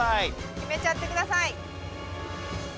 決めちゃってください。